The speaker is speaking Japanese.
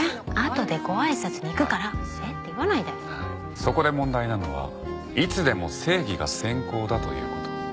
そこで問題なのはいつでも正義が先攻だという事。